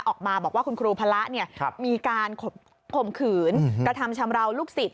ออกมาบอกว่าคุณครูพระมีการข่มขืนกระทำชำราวลูกศิษย